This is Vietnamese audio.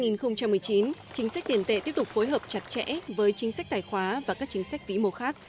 năm hai nghìn một mươi chín chính sách tiền tệ tiếp tục phối hợp chặt chẽ với chính sách tài khoá và các chính sách vĩ mô khác